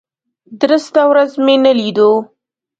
درسته ورځ مې نه لیدو.